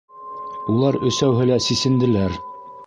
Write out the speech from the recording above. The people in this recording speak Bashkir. Улар өсәүһе лә сисенделәр.